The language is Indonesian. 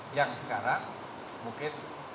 yang sekarang mungkin